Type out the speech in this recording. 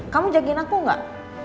kamu jagain aku gak